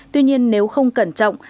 tuy nhiên nếu không cẩn trọng